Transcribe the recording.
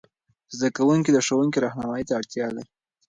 زده کوونکي د ښوونکې رهنمايي ته اړتیا لري.